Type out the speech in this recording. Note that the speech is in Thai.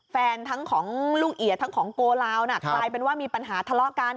ทั้งของลูกเอียดทั้งของโกลาวน่ะกลายเป็นว่ามีปัญหาทะเลาะกัน